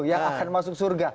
yang akan masuk surga